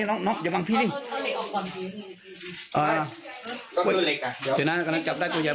โอยเด็กก็เข้านอนได้มั้ย